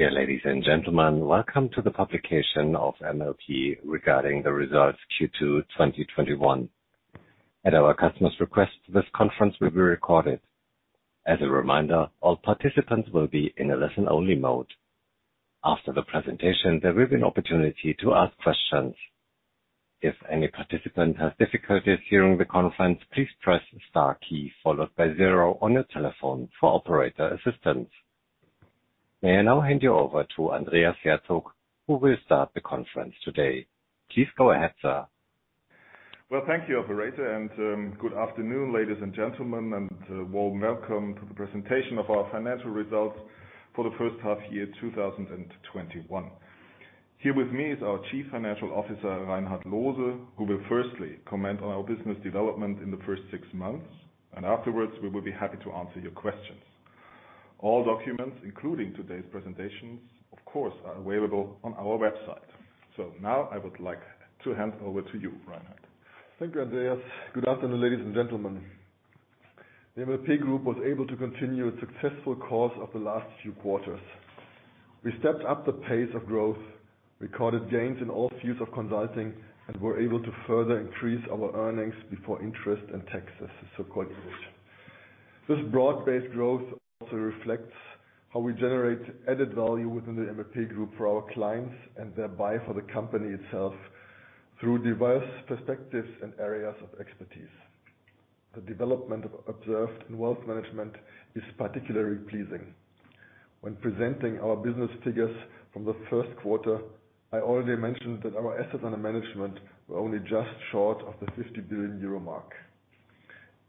Dear ladies and gentlemen, welcome to the publication of MLP regarding the results Q2 2021. At our customer's request, this conference will be recorded. As a reminder, all participants will be in a listen-only mode. After the presentation, there will be an opportunity to ask questions. If any participant has difficulties hearing the conference, please press star key followed by zero on your telephone for operator assistance. May I now hand you over to Andreas Herzog, who will start the conference today. Please go ahead, sir. Well, thank you, operator. Good afternoon, ladies and gentlemen, and warm welcome to the presentation of our financial results for the first half year 2021. Here with me is our Chief Financial Officer, Reinhard Loose, who will firstly comment on our business development in the first six months, and afterwards, we will be happy to answer your questions. All documents, including today's presentations, of course, are available on our website. Now I would like to hand over to you, Reinhard. Thank you, Andreas. Good afternoon, ladies and gentlemen. The MLP Group was able to continue its successful course of the last few quarters. We stepped up the pace of growth, recorded gains in all fields of consulting, and were able to further increase our earnings before interest and taxes, the so-called EBIT. This broad-based growth also reflects how we generate added value within the MLP Group for our clients and thereby for the company itself through diverse perspectives and areas of expertise. The development observed in wealth management is particularly pleasing. When presenting our business figures from the first quarter, I already mentioned that our assets under management were only just short of the 50 billion euro mark.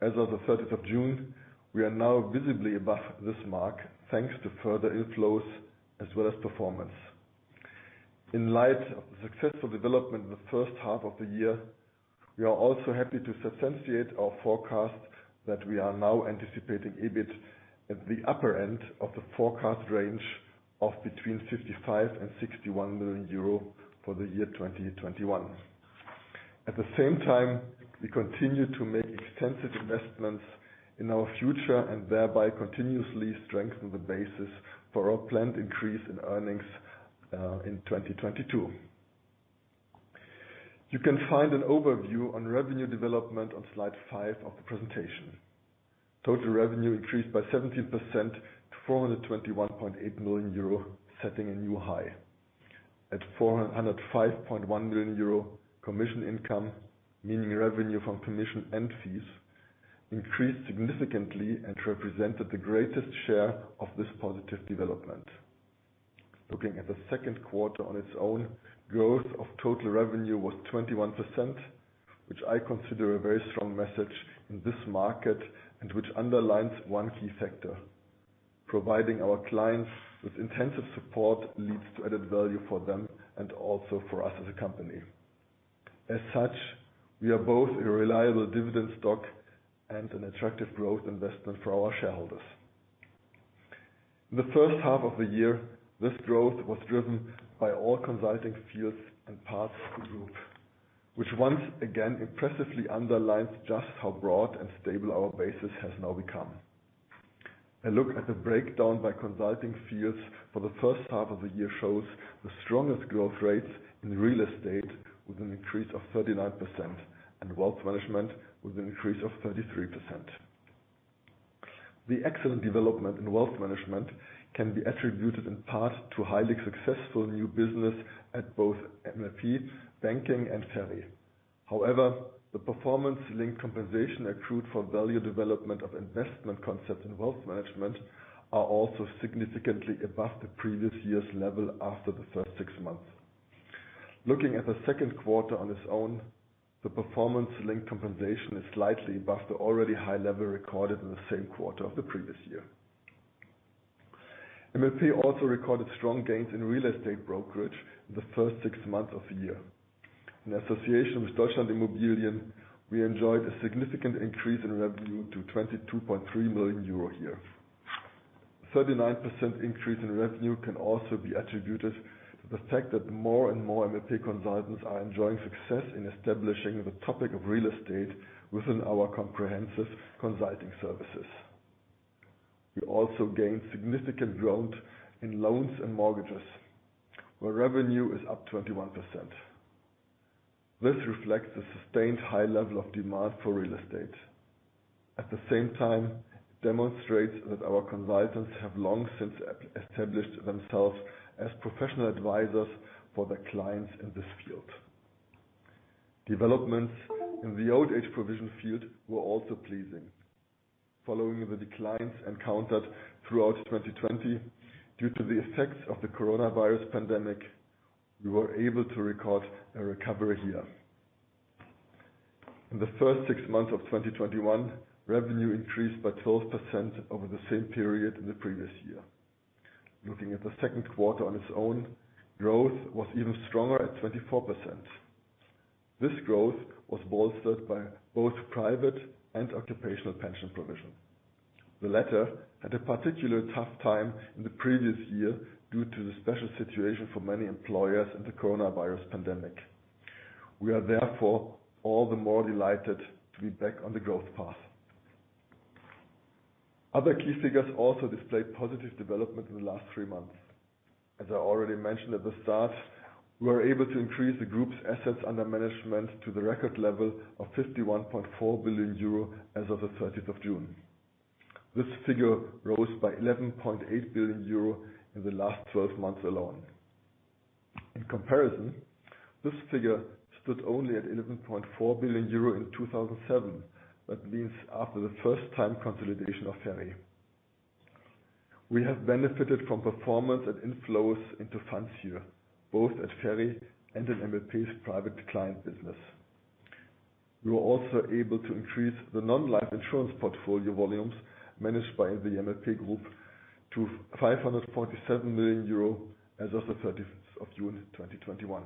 As of the 30th of June, we are now visibly above this mark, thanks to further inflows as well as performance. In light of the successful development in the first half of the year, we are also happy to substantiate our forecast that we are now anticipating EBIT at the upper end of the forecast range of between 55 million and 61 million euro for the year 2021. At the same time, we continue to make extensive investments in our future and thereby continuously strengthen the basis for our planned increase in earnings in 2022. You can find an overview on revenue development on slide five of the presentation. Total revenue increased by 17% to 421.8 million euro, setting a new high. At 405.1 million euro commission income, meaning revenue from commission and fees, increased significantly and represented the greatest share of this positive development. Looking at the second quarter on its own, growth of total revenue was 21%, which I consider a very strong message in this market and which underlines one key factor. Providing our clients with intensive support leads to added value for them and also for us as a company. As such, we are both a reliable dividend stock and an attractive growth investment for our shareholders. In the first half of the year, this growth was driven by all consulting fields and parts of the Group, which once again impressively underlines just how broad and stable our basis has now become. A look at the breakdown by consulting fields for the first half of the year shows the strongest growth rates in real estate with an increase of 39%, and wealth management with an increase of 33%. The excellent development in wealth management can be attributed in part to highly successful new business at both MLP Banking and FERI. However, the performance-linked compensation accrued for value development of investment concepts in wealth management are also significantly above the previous year's level after the first six months. Looking at the second quarter on its own, the performance-linked compensation is slightly above the already high level recorded in the same quarter of the previous year. MLP also recorded strong gains in real estate brokerage in the first six months of the year. In association with Deutschland.Immobilien, we enjoyed a significant increase in revenue to 22.3 million euro here. 39% increase in revenue can also be attributed to the fact that more and more MLP consultants are enjoying success in establishing the topic of real estate within our comprehensive consulting services. We also gained significant ground in loans and mortgages, where revenue is up 21%. This reflects the sustained high level of demand for real estate. At the same time, it demonstrates that our consultants have long since established themselves as professional advisors for their clients in this field. Developments in the old age provision field were also pleasing. Following the declines encountered throughout 2020 due to the effects of the coronavirus pandemic, we were able to record a recovery here. In the first six months of 2021, revenue increased by 12% over the same period in the previous year. Looking at the second quarter on its own, growth was even stronger at 24%. This growth was bolstered by both private and occupational pension provision. The latter had a particular tough time in the previous year due to the special situation for many employers in the coronavirus pandemic. We are therefore all the more delighted to be back on the growth path. Other key figures also display positive development in the last three months. As I already mentioned at the start, we were able to increase the Group's assets under management to the record level of 51.4 billion euro as of the 30th of June. This figure rose by 11.8 billion euro in the last 12 months alone. In comparison, this figure stood only at 11.4 billion euro in 2007. That means after the first time consolidation of FERI. We have benefited from performance and inflows into funds here, both at FERI and in MLP's private client business. We were also able to increase the non-life insurance portfolio volumes managed by the MLP Group to 547 million euro as of the 30th of June 2021.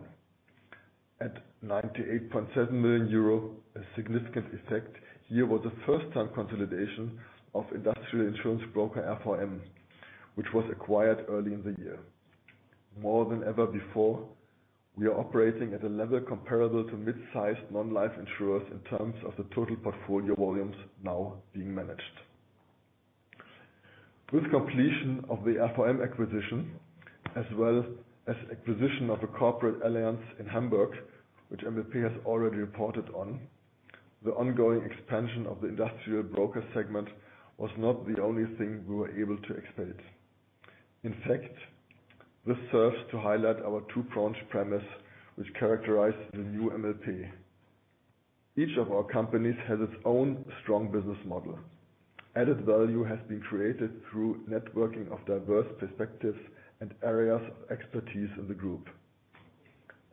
At 98.7 million euro, a significant effect here was the first time consolidation of industrial insurance broker RVM, which was acquired early in the year. More than ever before, we are operating at a level comparable to mid-sized non-life insurers in terms of the total portfolio volumes now being managed. With completion of the RVM acquisition, as well as acquisition of a corporate alliance in Hamburg, which MLP has already reported on, the ongoing expansion of the industrial broker segment was not the only thing we were able to expand. In fact, this serves to highlight our two-pronged premise, which characterized the new MLP. Each of our companies has its own strong business model. Added value has been created through networking of diverse perspectives and areas of expertise in the group.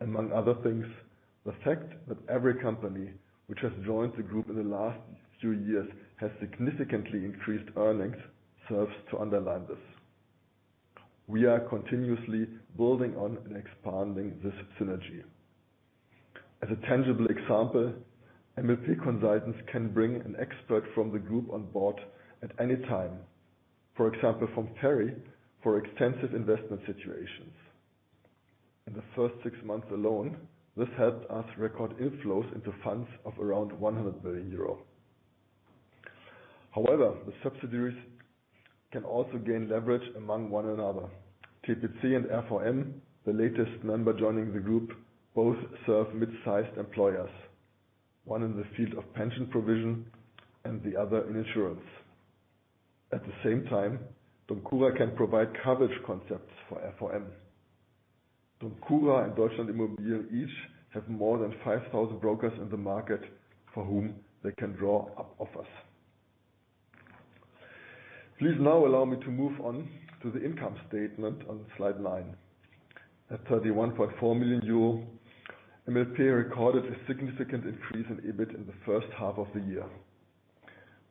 Among other things, the fact that every company which has joined the group in the last two years has significantly increased earnings serves to underline this. We are continuously building on and expanding this synergy. As a tangible example, MLP consultants can bring an expert from the group on board at any time, for example, from FERI, for extensive investment situations. In the first six months alone, this helped us record inflows into funds of around 100 billion euro. However, the subsidiaries can also gain leverage among one another. TPC and RVM, the latest member joining the group, both serve mid-sized employers, one in the field of pension provision and the other in insurance. At the same time, DOMCURA can provide coverage concepts for RVM. DOMCURA and Deutschland.Immobilien each have more than 5,000 brokers in the market for whom they can draw up offers. Please now allow me to move on to the income statement on slide nine. At 31.4 million euro, MLP recorded a significant increase in EBIT in the first half of the year.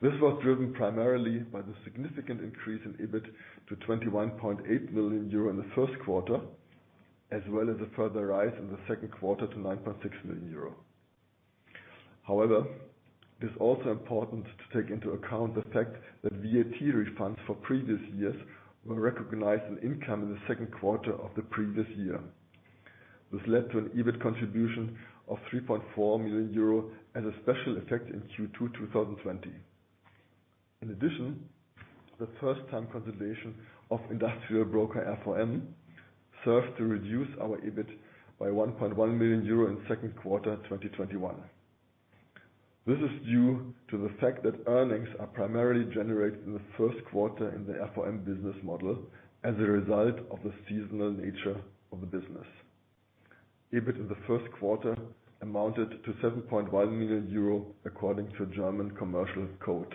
This was driven primarily by the significant increase in EBIT to 21.8 million euro in the first quarter, as well as a further rise in the second quarter to 9.6 million euro. However, it is also important to take into account the fact that VAT refunds for previous years were recognized in income in the second quarter of the previous year. This led to an EBIT contribution of 3.4 million euro as a special effect in Q2 2020. In addition, the first-time consolidation of industrial broker RVM served to reduce our EBIT by 1.1 million euro in second quarter 2021. This is due to the fact that earnings are primarily generated in the first quarter in the RVM business model as a result of the seasonal nature of the business. EBIT in the first quarter amounted to 7.1 million euro according to German commercial code,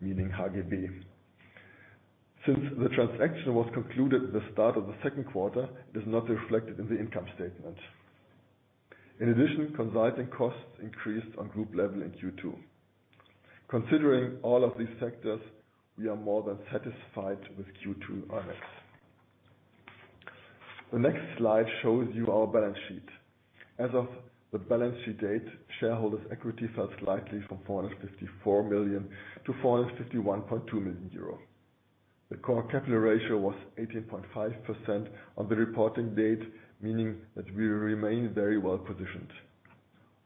meaning HGB. Since the transaction was concluded at the start of the second quarter, it is not reflected in the income statement. In addition, consulting costs increased on Group level in Q2. Considering all of these factors, we are more than satisfied with Q2 earnings. The next slide shows you our balance sheet. As of the balance sheet date, shareholders' equity fell slightly from 454 million to 451.2 million euros. The core capital ratio was 18.5% on the reporting date, meaning that we remain very well-positioned.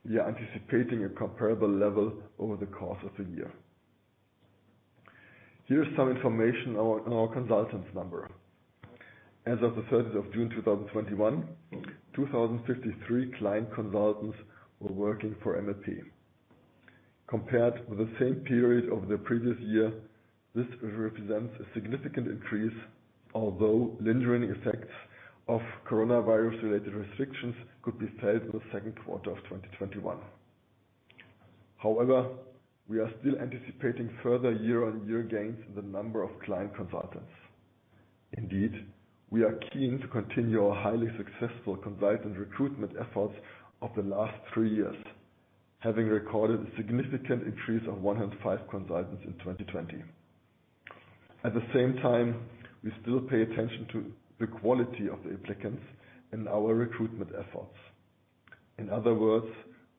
We are anticipating a comparable level over the course of the year. Here's some information on our consultants number. As of the 30th of June 2021, 2,053 client consultants were working for MLP. Compared with the same period of the previous year, this represents a significant increase, although lingering effects of coronavirus-related restrictions could be felt in the second quarter of 2021. However, we are still anticipating further year-on-year gains in the number of client consultants. Indeed, we are keen to continue our highly successful consultant recruitment efforts of the last three years, having recorded a significant increase of 105 consultants in 2020. At the same time, we still pay attention to the quality of the applicants in our recruitment efforts. In other words,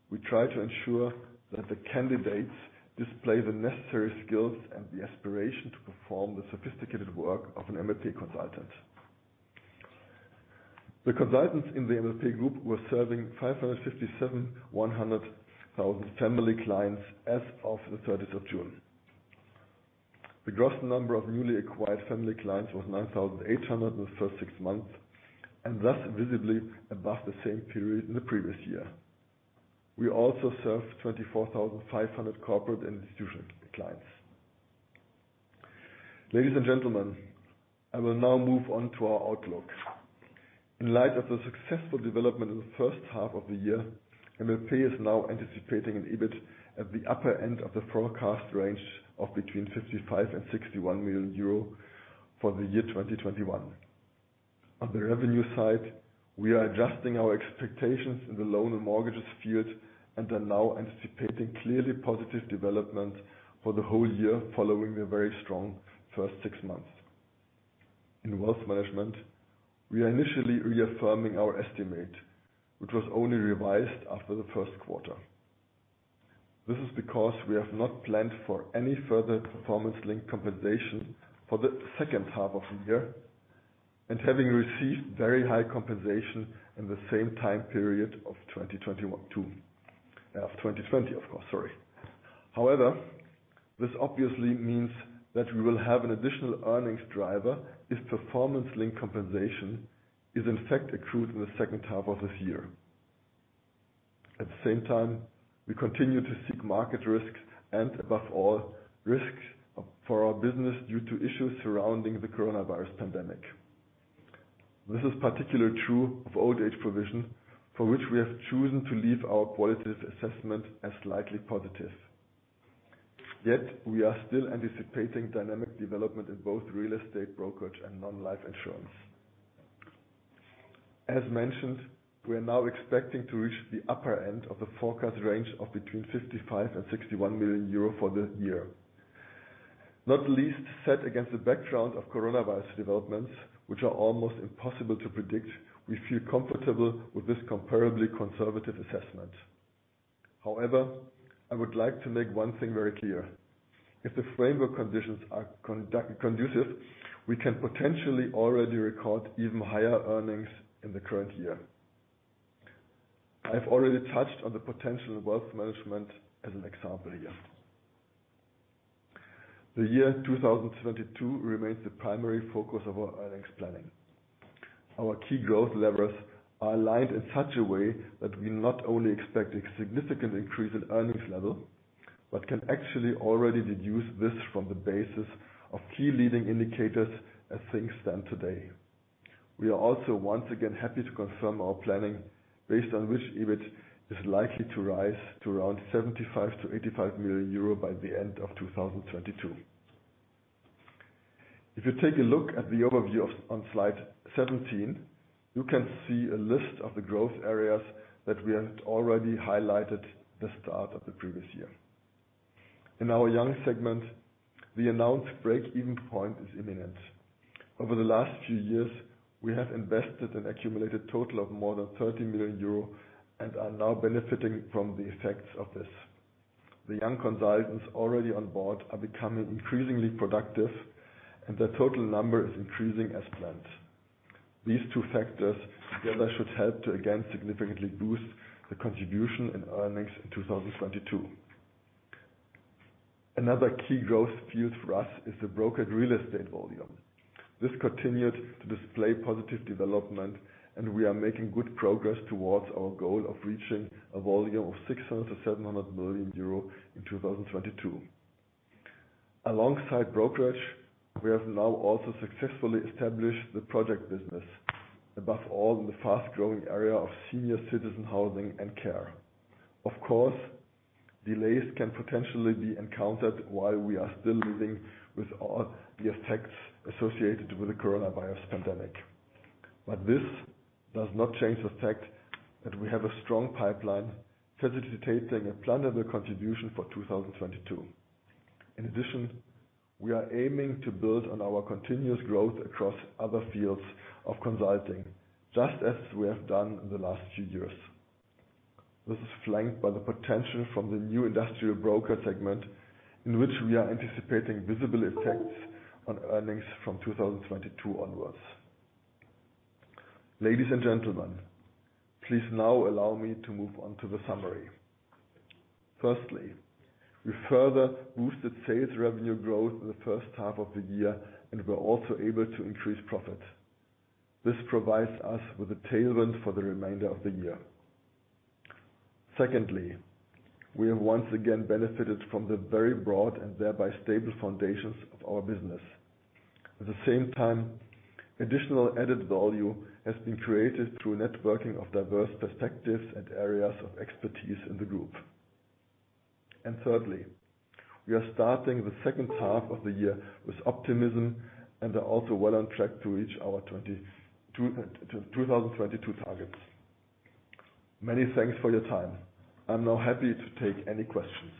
we try to ensure that the candidates display the necessary skills and the aspiration to perform the sophisticated work of an MLP consultant. The consultants in the MLP Group were serving 557,100 family clients as of the 30th of June. The gross number of newly acquired family clients was 9,800 in the first six months, and thus visibly above the same period in the previous year. We also served 24,500 corporate and institutional clients. Ladies and gentlemen, I will now move on to our outlook. In light of the successful development in the first half of the year, MLP is now anticipating an EBIT at the upper end of the forecast range of between 55 million and 61 million euro for the year 2021. On the revenue side, we are adjusting our expectations in the loan and mortgages field and are now anticipating clearly positive development for the whole year following the very strong first six months. In wealth management, we are initially reaffirming our estimate, which was only revised after the first quarter. This is because we have not planned for any further performance-linked compensation for the second half of the year, and having received very high compensation in the same time period of 2020. However, this obviously means that we will have an additional earnings driver if performance-linked compensation is in fact accrued in the second half of this year. At the same time, we continue to seek market risks and above all, risks for our business due to issues surrounding the coronavirus pandemic. This is particularly true of old-age provision, for which we have chosen to leave our qualitative assessment as slightly positive. We are still anticipating dynamic development in both real estate brokerage and non-life insurance. As mentioned, we are now expecting to reach the upper end of the forecast range of between 55 million and 61 million euro for the year. Not least set against the background of coronavirus developments, which are almost impossible to predict, we feel comfortable with this comparably conservative assessment. I would like to make one thing very clear. If the framework conditions are conducive, we can potentially already record even higher earnings in the current year. I have already touched on the potential wealth management as an example here. The year 2022 remains the primary focus of our earnings planning. Our key growth levers are aligned in such a way that we not only expect a significant increase in earnings level, but can actually already deduce this from the basis of key leading indicators as things stand today. We are also once again happy to confirm our planning based on which EBIT is likely to rise to around 75 million-85 million euro by the end of 2022. If you take a look at the overview on slide 17, you can see a list of the growth areas that we had already highlighted the start of the previous year. In our young segment, the announced break-even point is imminent. Over the last few years, we have invested an accumulated total of more than 30 million euro and are now benefiting from the effects of this. The young consultants already on board are becoming increasingly productive and their total number is increasing as planned. These two factors together should help to again significantly boost the contribution in earnings in 2022. Another key growth field for us is the brokered real estate volume. This continued to display positive development, and we are making good progress towards our goal of reaching a volume of 600 million-700 million euro in 2022. Alongside brokerage, we have now also successfully established the project business, above all in the fast-growing area of senior citizen housing and care. Of course, delays can potentially be encountered while we are still living with all the effects associated with the coronavirus pandemic. This does not change the fact that we have a strong pipeline facilitating a plannable contribution for 2022. In addition, we are aiming to build on our continuous growth across other fields of consulting, just as we have done in the last few years. This is flanked by the potential from the new industrial broker segment, in which we are anticipating visible effects on earnings from 2022 onwards. Ladies and gentlemen, please now allow me to move on to the summary. Firstly, we further boosted sales revenue growth in the first half of the year and were also able to increase profit. This provides us with a tailwind for the remainder of the year. Secondly, we have once again benefited from the very broad and thereby stable foundations of our business. At the same time, additional added value has been created through networking of diverse perspectives and areas of expertise in the Group. Thirdly, we are starting the second half of the year with optimism and are also well on track to reach our 2022 targets. Many thanks for your time. I'm now happy to take any questions.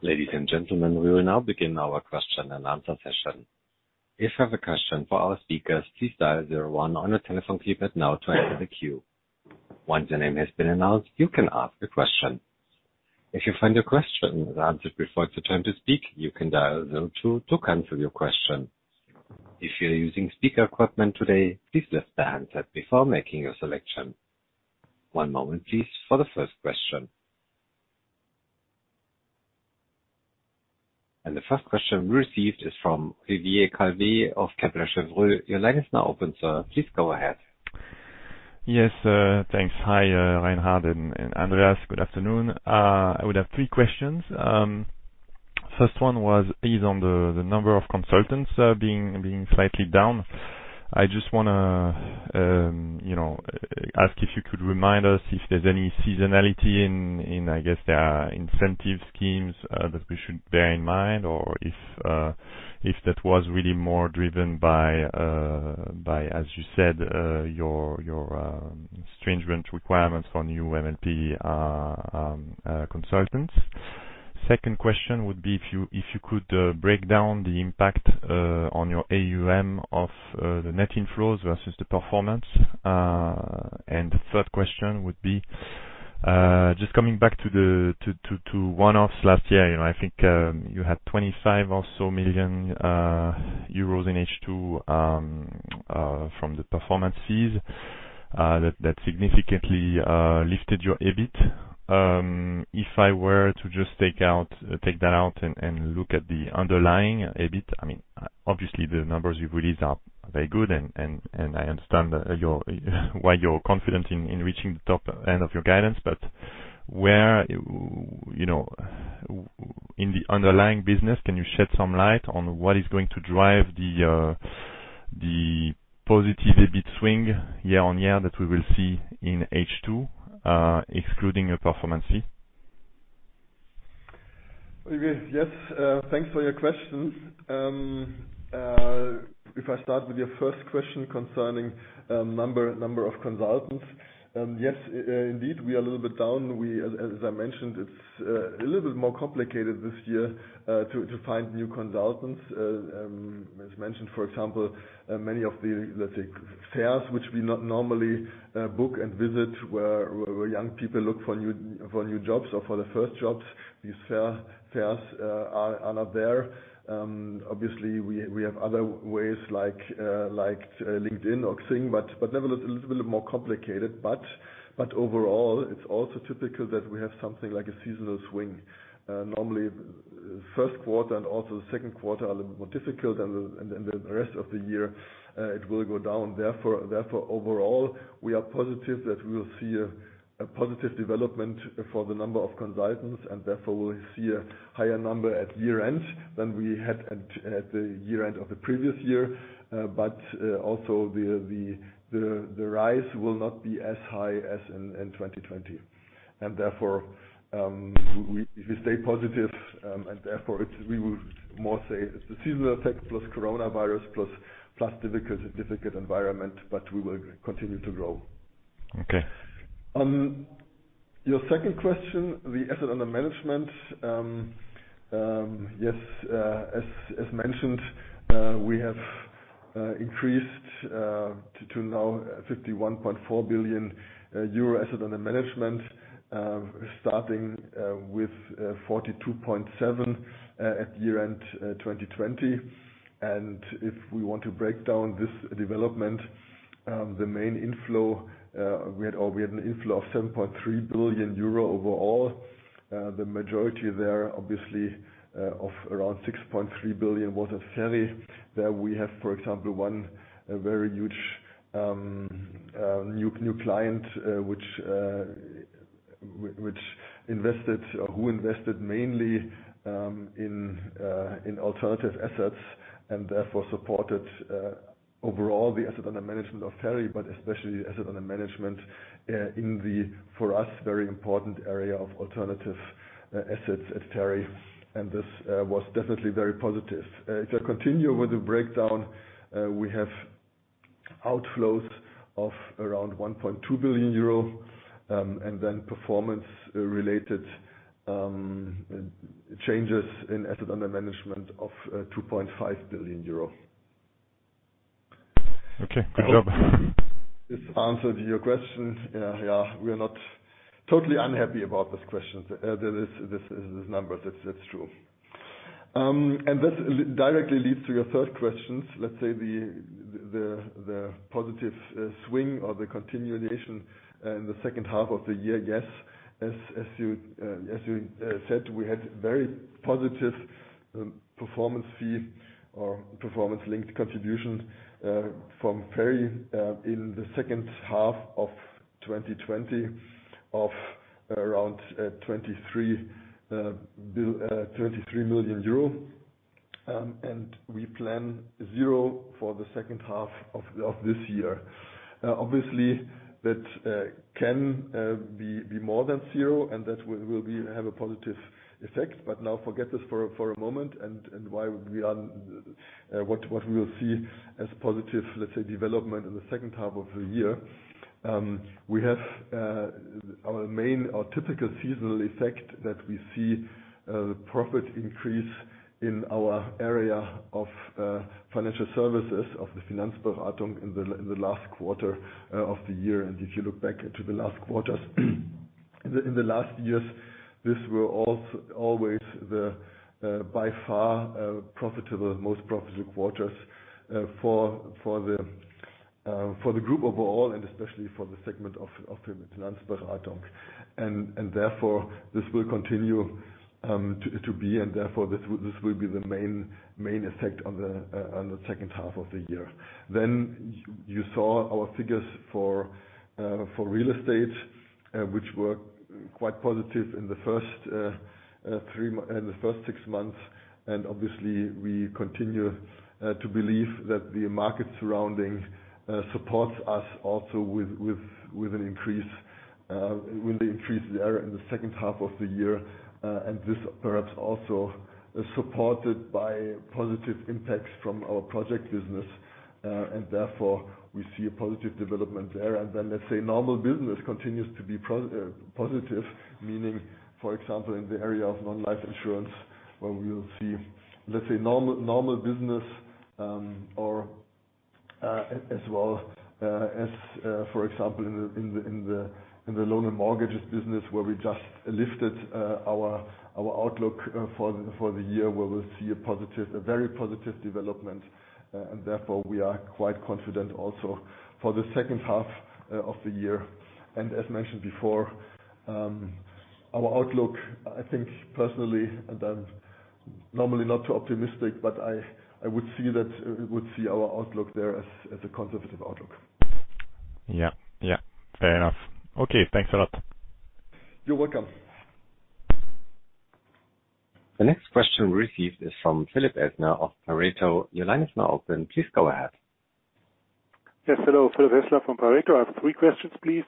Ladies and gentlemen, we will now begin our question and answer session. If you have a question for our speakers, please dial zero one on your telephone keypad now to enter the queue. Once your name has been announced, you can ask a question. If you find your question answered before it's your turn to speak, you can dial zero two to cancel your question. If you're using speaker equipment today, please lift the handset before making your selection. One moment please, for the first question. The first question we received is from (Xavier Calvet) of Kepler Cheuvreux. Your line is now open, sir. Please go ahead. Yes, thanks. Hi, Reinhard and Andreas. Good afternoon. I would have three questions. First one is on the number of consultants being slightly down. I just want to ask if you could remind us if there's any seasonality in, I guess, the incentive schemes that we should bear in mind, or if that was really more driven by, as you said, your stringent requirements for new MLP consultants. Second question would be if you could break down the impact on your AUM of the net inflows versus the performance. The third question would be, just coming back to one-offs last year. I think you had 25 million or so in H2 from the performance fees that significantly lifted your EBIT. If I were to just take that out and look at the underlying EBIT. Obviously, the numbers you've released are very good, and I understand why you're confident in reaching the top end of your guidance. Where in the underlying business can you shed some light on what is going to drive the positive EBIT swing year-on-year that we will see in H2, excluding your performance fee? Xavier, yes. Thanks for your questions. If I start with your first question concerning number of consultants. Yes, indeed, we are a little bit down. As I mentioned, it's a little bit more complicated this year to find new consultants. As mentioned, for example, many of the, let's say, fairs which we normally book and visit where young people look for new jobs or for their first jobs, these fairs are not there. Obviously, we have other ways like LinkedIn or Xing, but nevertheless, a little bit more complicated. Overall, it's also typical that we have something like a seasonal swing. Normally, first quarter and also the second quarter are a little bit more difficult, and the rest of the year it will go down. Overall, we are positive that we will see a positive development for the number of consultants and therefore will see a higher number at year-end than we had at the year-end of the previous year. Also the rise will not be as high as in 2020. We stay positive and therefore we will more say it's the seasonal effect plus coronavirus, plus difficult environment, but we will continue to grow. Okay. Your second question, the asset under management. Yes, as mentioned, we have increased to now 51.4 billion euro asset under management, starting with 42.7 billion at year-end 2020. If we want to break down this development, the main inflow, we had an inflow of 7.3 billion euro overall. The majority there, obviously, of around 6.3 billion was at FERI. There we have, for example, one very huge new client who invested mainly in alternative assets and therefore supported overall the asset under management of FERI, but especially asset under management in the, for us, very important area of alternative assets at FERI. This was definitely very positive. If I continue with the breakdown, we have outflows of around 1.2 billion euro, and then performance-related changes in asset under management of 2.5 billion euro. Okay, good job. This answered your questions. Yeah, we're not totally unhappy about these numbers. That's true. That directly leads to your third question. Let's say the positive swing or the continuation in the second half of the year. Yes. As you said, we had very positive performance fee or performance-linked contributions from FERI in the second half of 2020 of around 23 million euro. We plan zero for the second half of this year. Obviously, that can be more than zero and that will have a positive effect. Now forget this for a moment and what we will see as positive, let's say, development in the second half of the year. We have our main, our typical seasonal effect that we see profit increase in our area of financial services of the Finanzberatung in the last quarter of the year. If you look back into the last quarters in the last years, this were always the, by far, most profitable quarters for the group overall, and especially for the segment of Finanzberatung. Therefore, this will continue to be, and therefore, this will be the main effect on the second half of the year. You saw our figures for real estate, which were quite positive in the first six months. Obviously, we continue to believe that the market surrounding supports us also with an increase there in the second half of the year. This perhaps also is supported by positive impacts from our project business. Therefore, we see a positive development there. Then, let's say normal business continues to be positive. Meaning, for example, in the area of non-life insurance, where we will see, let's say normal business, or as well as, for example, in the loan and mortgages business where we just lifted our outlook for the year, where we'll see a very positive development. Therefore, we are quite confident also for the second half of the year. As mentioned before, our outlook, I think personally, and I'm normally not too optimistic, but I would see our outlook there as a conservative outlook. Yeah. Fair enough. Okay. Thanks a lot. You're welcome. The next question received is from Philipp Hässler of Pareto Securities. Your line is now open. Please go ahead. Yes. Hello. Philipp Hässler from Pareto. I have three questions, please.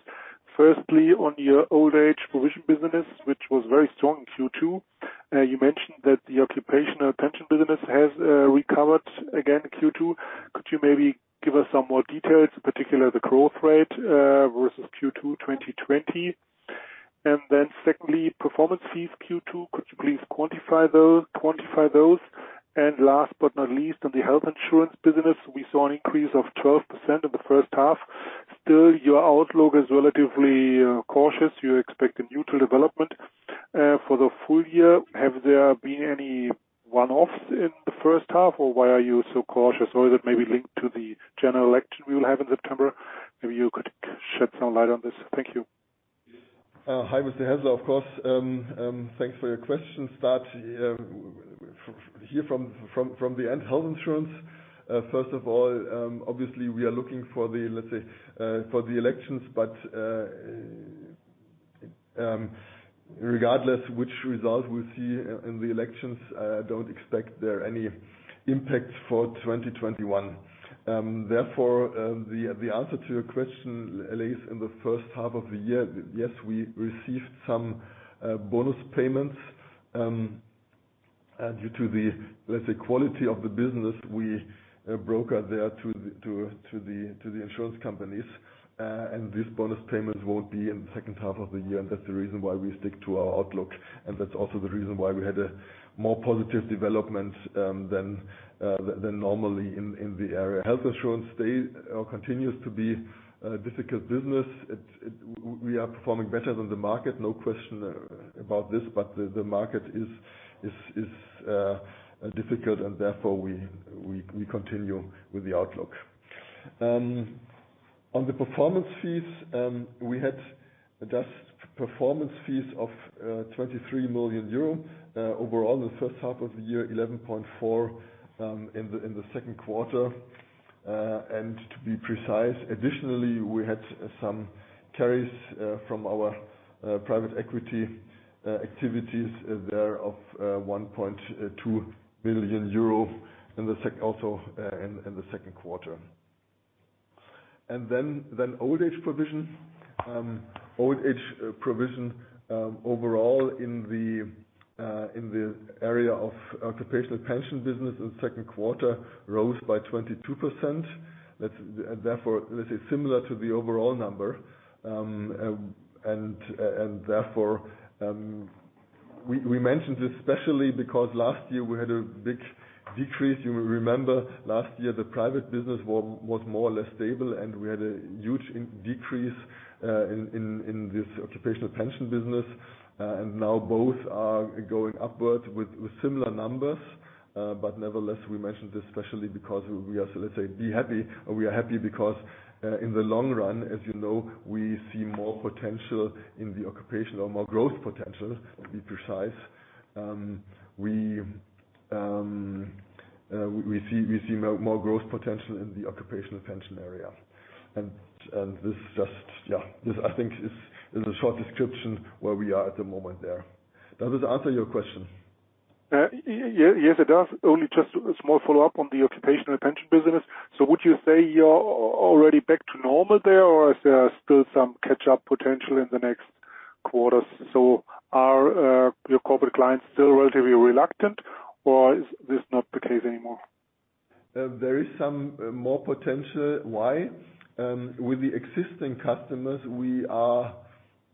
On your old age provision business, which was very strong in Q2. You mentioned that the occupational pension business has recovered again in Q2. Could you maybe give us some more details, in particular, the growth rate, versus Q2 2020? Secondly, performance fees Q2. Could you please quantify those? Last but not least, on the health insurance business, we saw an increase of 12% in the first half. Still, your outlook is relatively cautious. You expect a neutral development. For the full year, have there been any one-offs in the first half, or why are you so cautious? Is it maybe linked to the general election we will have in September? Maybe you could shed some light on this. Thank you. Hi, Mr. Hässler, of course. Thanks for your question. Start here from the end, health insurance. First of all, obviously we are looking for the, let's say, for the elections. Regardless which result we see in the elections, I don't expect there any impacts for 2021. Therefore, the answer to your question lays in the first half of the year. Yes, we received some bonus payments. Due to the, let's say, quality of the business, we broker there to the insurance companies. These bonus payments won't be in the second half of the year. That's the reason why we stick to our outlook. That's also the reason why we had a more positive development than normally in the area. Health insurance continues to be a difficult business. We are performing better than the market, no question about this. The market is difficult and therefore we continue with the outlook. On the performance fees, we had just performance fees of 23 million euro. Overall in the first half of the year, 11.4 million in the second quarter. To be precise, additionally, we had some carries from our private equity activities there of 1.2 million euro also in the second quarter. Old age provision. Old age provision overall in the area of occupational pension business in the second quarter rose by 22%. Therefore, let's say similar to the overall number. Therefore, we mentioned this especially because last year we had a big decrease. You will remember last year, the private business was more or less stable, and we had a huge decrease in this occupational pension business. Now both are going upward with similar numbers. Nevertheless, we mentioned this especially because we are, so let's say we are happy because in the long run, as you know, we see more potential in the occupational, more growth potential, to be precise. We see more growth potential in the occupational pension area. This is a short description where we are at the moment there. Does this answer your question? Yes, it does. Only just a small follow-up on the occupational pension business. Would you say you're already back to normal there, or is there still some catch-up potential in the next quarters? Are your corporate clients still relatively reluctant, or is this not the case anymore? There is some more potential. Why? With the existing customers, we are,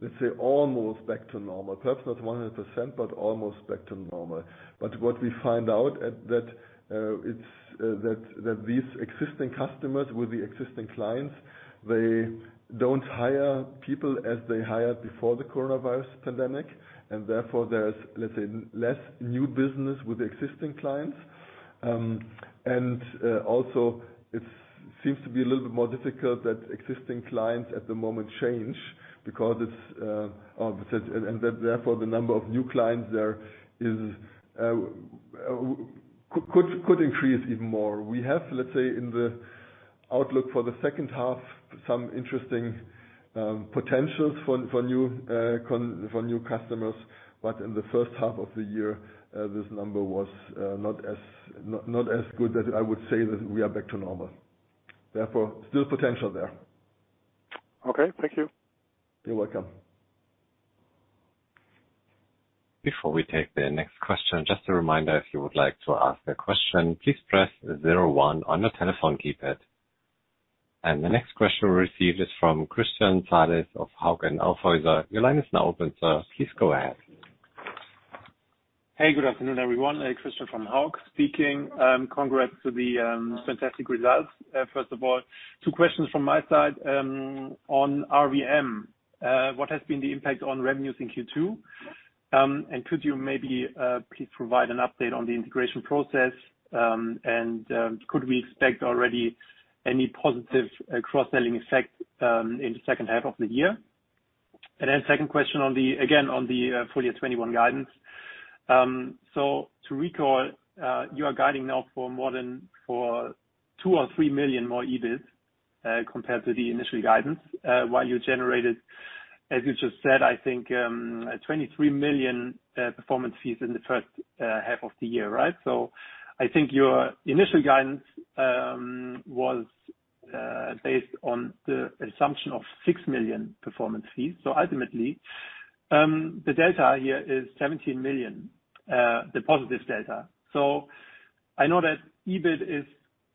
let's say, almost back to normal. Perhaps not 100%, but almost back to normal. What we find out that these existing customers with the existing clients. They don't hire people as they hired before the coronavirus pandemic, and therefore there's, let's say, less new business with existing clients. It seems to be a little bit more difficult that existing clients at the moment change. Therefore the number of new clients there could increase even more. We have, let's say, in the outlook for the second half, some interesting potentials for new customers. In the first half of the year, this number was not as good that I would say that we are back to normal. Therefore, still potential there. Okay. Thank you. You're welcome. Before we take the next question, just a reminder, if you would like to ask a question, please press zero one on your telephone keypad. The next question we received is from Christian Salis of Hauck & Aufhäuser. Your line is now open, sir. Please go ahead. Hey, good afternoon, everyone. Christian from Hauck speaking. Congrats to the fantastic results, first of all. Two questions from my side. On RVM, what has been the impact on revenues in Q2? Could you maybe, please provide an update on the integration process? Could we expect already any positive cross-selling effect in the second half of the year? Second question, again on the full year 2021 guidance. To recall, you are guiding now for more than for 2 million or 3 million more EBIT compared to the initial guidance, while you generated, as you just said, I think, 23 million performance fees in the first half of the year, right? I think your initial guidance was based on the assumption of 6 million performance fees. Ultimately, the delta here is 17 million, the positive delta. I know that EBIT is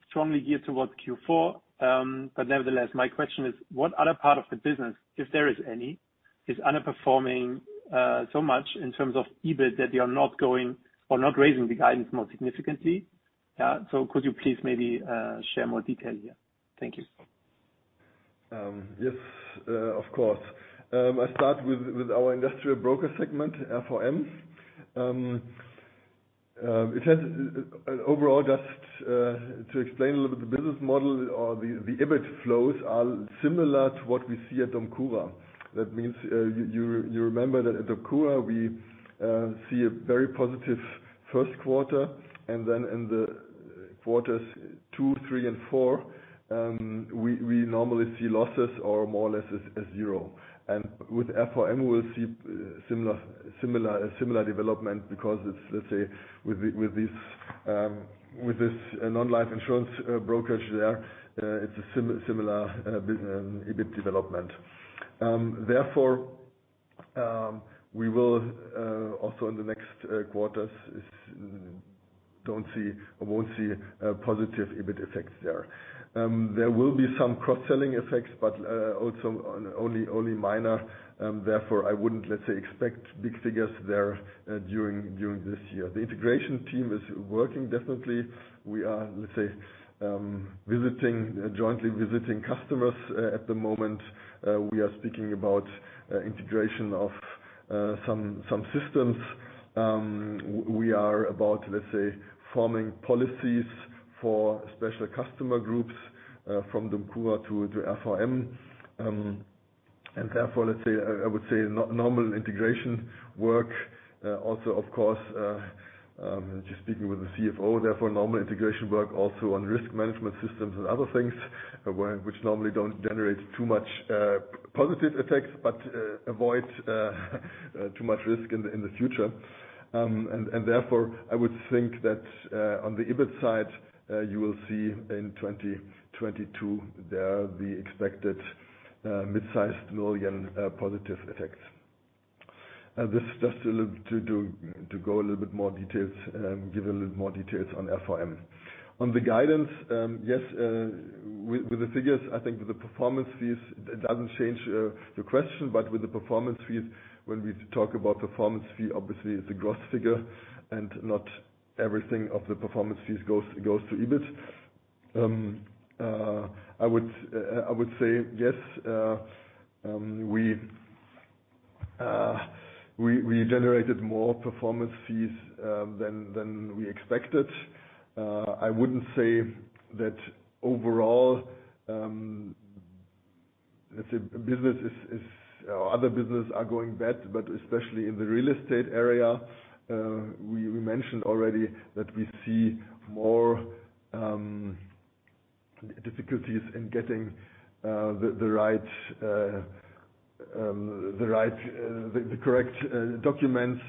strongly geared towards Q4. Nevertheless, my question is, what other part of the business, if there is any, is underperforming so much in terms of EBIT that you are not going or not raising the guidance more significantly? Could you please maybe share more detail here? Thank you. Yes, of course. I start with our industrial broker segment, RVM. It has an overall just to explain a little bit the business model or the EBIT flows are similar to what we see at DOMCURA. That means you remember that at DOMCURA, we see a very positive first quarter, and then in the quarters two, three, and four, we normally see losses or more or less as zero. With RVM, we'll see similar development because it's, let's say, with this non-life insurance brokerage there, it's a similar EBIT development. We will, also in the next quarters, won't see positive EBIT effects there. There will be some cross-selling effects, but also only minor. I wouldn't, let's say, expect big figures there during this year. The integration team is working definitely. We are jointly visiting customers at the moment. We are speaking about integration of some systems. We are about forming policies for special customer groups from DOMCURA to RVM. Therefore I would say normal integration work. Also, of course, just speaking with the CFO, therefore normal integration work also on risk management systems and other things which normally don't generate too much positive effects, but avoid too much risk in the future. Therefore, I would think that on the EBIT side, you will see in 2022 there the expected mid-sized million positive effects. This just to go a little bit more details, give a little more details on RVM. On the guidance. Yes, with the figures, I think with the performance fees, it doesn't change the question, but with the performance fees, when we talk about performance fee, obviously it's a gross figure and not everything of the performance fees goes to EBIT. I would say yes we generated more performance fees than we expected. I wouldn't say that overall other business are going bad, but especially in the real estate area. We mentioned already that we see more difficulties in getting the correct documents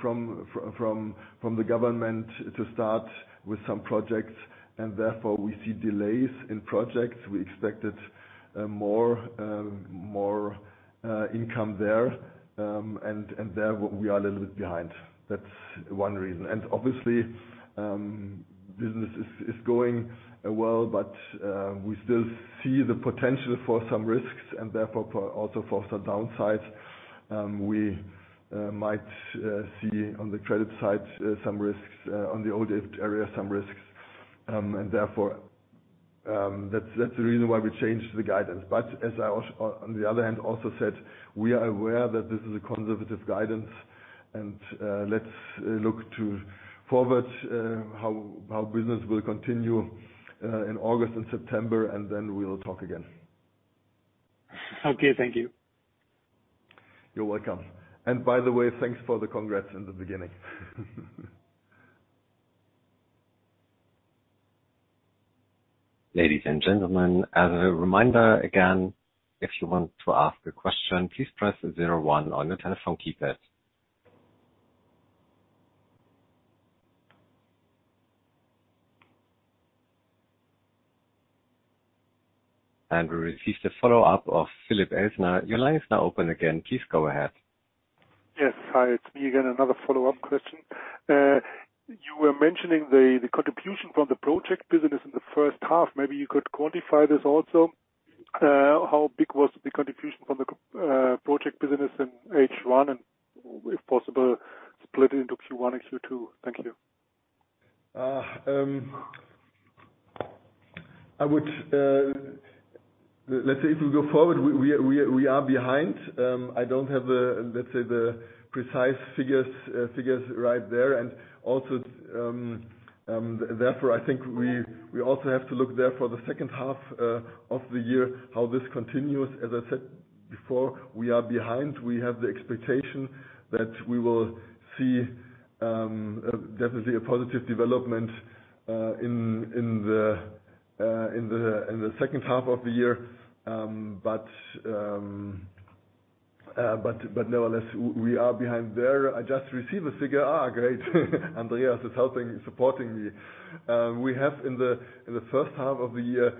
from the government to start with some projects, and therefore we see delays in projects. We expected more income there, and there we are a little bit behind. That's one reason. Obviously, business is going well, but we still see the potential for some risks and therefore also for some downsides. We might see on the credit side some risks on the old debt area, some risks. Therefore, that's the reason why we changed the guidance. On the other hand, also said, we are aware that this is a conservative guidance and let's look to forward how business will continue in August and September, and then we will talk again. Okay. Thank you. You're welcome. By the way, thanks for the congrats in the beginning. Ladies and gentlemen, as a reminder, again, if you want to ask a question, please press zero one on your telephone keypad. We receive the follow-up of Philipp Hässler. Your line is now open again. Please go ahead. Yes. Hi. It's me again, another follow-up question. You were mentioning the contribution from the project business in the first half. Maybe you could quantify this also. How big was the contribution from the project business in H1, and if possible, split it into Q1 and Q2. Thank you. Let's say if we go forward, we are behind. I don't have, let's say, the precise figures right there. Therefore, I think we also have to look there for the second half of the year, how this continues. As I said before, we are behind. We have the expectation that we will see definitely a positive development in the second half of the year. Nevertheless, we are behind there. I just received a figure. Great. Andreas is helping, supporting me. In the first half of the year,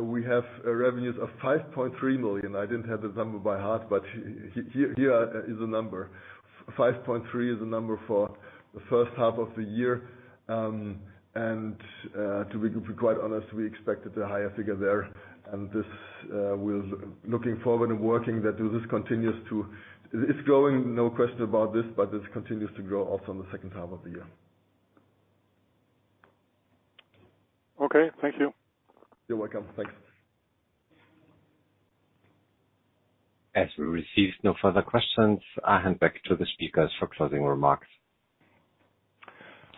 we have revenues of 5.3 million. I didn't have the number by heart, but here is a number. 5.3 million is the number for the first half of the year. To be quite honest, we expected a higher figure there. Looking forward and working that It's growing, no question about this, but this continues to grow also in the second half of the year. Okay. Thank you. You're welcome. Thanks. As we receive no further questions, I hand back to the speakers for closing remarks.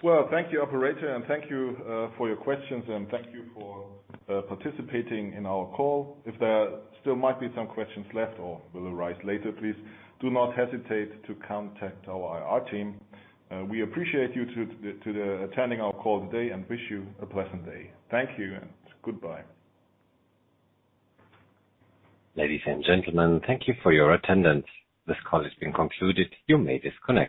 Well, thank you, operator, thank you for your questions, thank you for participating in our call. If there still might be some questions left or will arise later, please do not hesitate to contact our IR team. We appreciate you for attending our call today, wish you a pleasant day. Thank you, goodbye. Ladies and gentlemen, thank you for your attendance. This call has been concluded. You may disconnect.